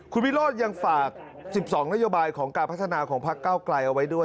คุณวิโรธยังฝาก๑๒นโยบายของการพัฒนาของพักเก้าไกลเอาไว้ด้วย